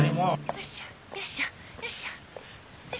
よいしょよいしょよいしょよいしょ。